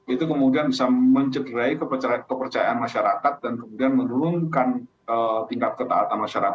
itu kemudian bisa mencederai kepercayaan masyarakat dan kemudian menurunkan tingkat ketaatan masyarakat